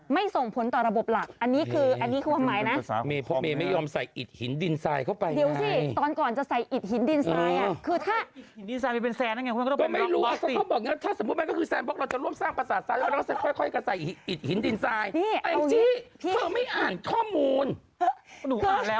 ส่งผลต่อระบบหลักอันนี้คืออันนี้คือความหมายนะ